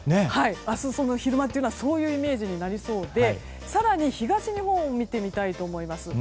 明日、昼間というのはそういうイメージになりそうで更に東日本を見てみたいと思います。